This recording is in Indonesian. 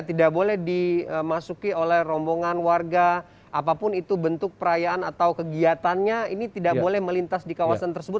tidak boleh dimasuki oleh rombongan warga apapun itu bentuk perayaan atau kegiatannya ini tidak boleh melintas di kawasan tersebut